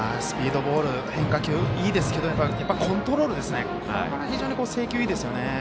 スピードボール変化球いいですけどやっぱりコントロールですね。